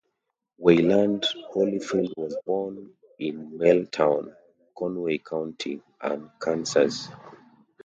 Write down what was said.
Wayland Holyfield was born in Mallettown, Conway County, Arkansas.